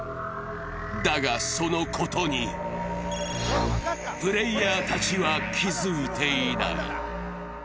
だが、そのことにプレーヤーたちは気づいていない。